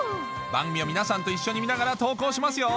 番組を皆さんと一緒に見ながら投稿しますよ